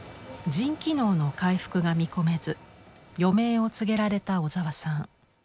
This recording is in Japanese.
腎機能の回復が見込めず余命を告げられた小沢さん。